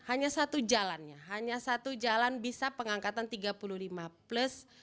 hanya satu jalannya hanya satu jalan bisa pengangkatan tiga puluh lima plus